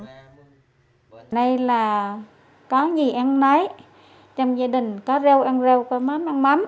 hôm nay là có gì ăn lấy trong gia đình có rau ăn rau có mắm ăn mắm